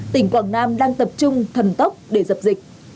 tỉnh quảng nam đang tập trung thần tốc để dập dịch